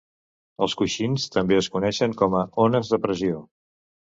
Els coixins també es coneixen com a "ones de pressió".